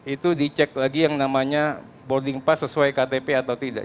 itu dicek lagi yang namanya boarding pass sesuai ktp atau tidak